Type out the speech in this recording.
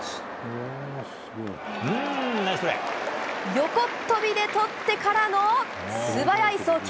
横っ飛びでとってからの素早い送球。